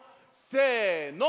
せの！